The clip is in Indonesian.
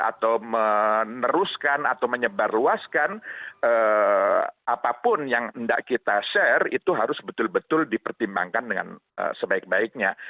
atau meneruskan atau menyebarluaskan apapun yang tidak kita share itu harus betul betul dipertimbangkan dengan sebaik baiknya